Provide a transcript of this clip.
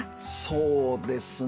そうですね